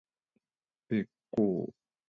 べっ甲